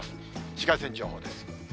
紫外線情報です。